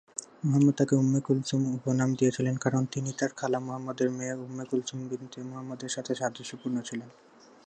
মুহাম্মাদ তাকে 'উম্মে কুলসুম' উপনাম দিয়েছিলেন, কারণ তিনি তার খালা মুহাম্মাদের মেয়ে উম্মে কুলসুম বিনতে মুহাম্মাদের সাথে সাদৃশ্যপূর্ণ ছিলেন।